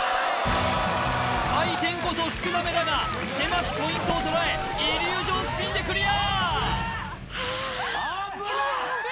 回転こそ少なめだが狭きポイントを捉えイリュージョンスピンでクリア！